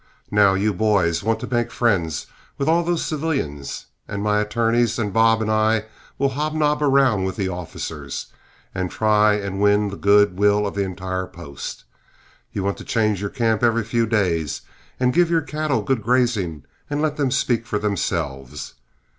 Now, you boys want to make friends with all those civilians, and my attorneys and Bob and I will hobnob around with the officers, and try and win the good will of the entire post. You want to change your camp every few days and give your cattle good grazing and let them speak for themselves.